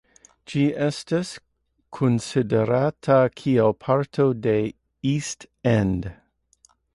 Ĝi estas konsiderata kiel parto de East End.